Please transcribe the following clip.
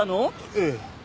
ええ。